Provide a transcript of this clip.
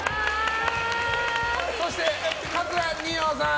そして、桂二葉さん！